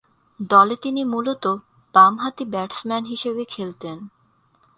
দলে তিনি মূলতঃ বামহাতি ব্যাটসম্যান হিসেবে খেলতেন।